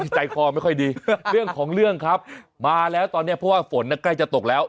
ใจคอไม่ค่อยดีเรื่องของเรื่องครับมาแล้วตอนนี้เพราะว่าฝนใกล้จะตกแล้ว